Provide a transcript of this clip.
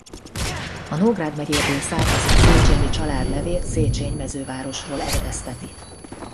A Nógrád megyéből származó Széchényi család nevét Szécsény mezővárosról eredezteti.